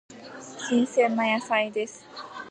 新鮮な野菜です。